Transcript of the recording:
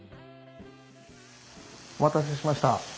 お待たせしました。